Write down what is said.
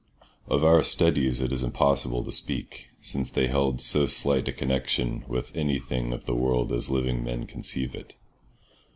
Of our studies it is impossible to speak, since they held so slight a connexion with anything of the world as living men conceive it.